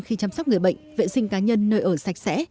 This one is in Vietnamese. khi chăm sóc người bệnh vệ sinh cá nhân nơi ở sạch sẽ